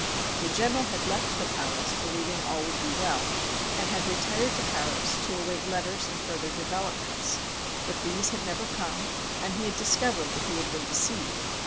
The General had left the palace believing all would be well, and had retired to Paris to await letters and further developments, but these had never come, and he had discovered that he had been deceived.